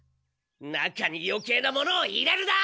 中によけいなものを入れるな！